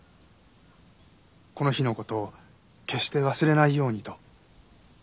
この日の事を決して忘れないようにと。